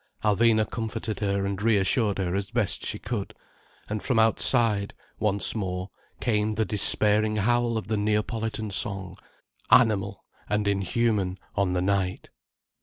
Alvina comforted her and reassured her as best she could. And from outside, once more, came the despairing howl of the Neapolitan song, animal and inhuman on the night.